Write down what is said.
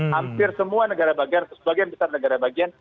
hampir semua negara bagian atau sebagian besar negara bagian